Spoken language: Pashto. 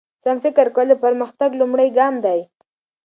سم فکر کول د پرمختګ لومړی ګام دی.